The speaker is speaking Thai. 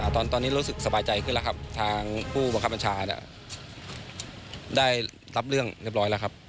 ตอนนี้รู้สึกสบายใจขึ้นแล้วครับทางผู้บังคับบัญชาได้รับเรื่องเรียบร้อยแล้วครับ